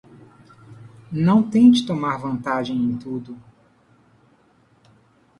Não tente tomar vantagem em tudo